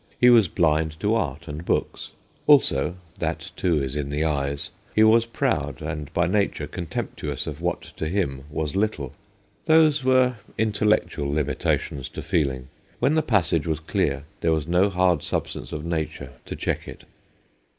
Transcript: He was blind to art and books. Also that, too, is in the eyes he was proud and by nature contemptuous of what to him was little. Those were intellectual limitations to feeling : when the passage was clear there was no hard substance of nature to check it.